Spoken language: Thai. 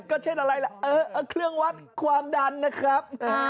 ก็เช่นอะไรล่ะเครื่องวัดความดันนะครับ